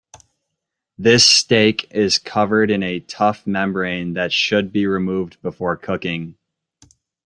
This steak is covered in a tough membrane that should be removed before cooking.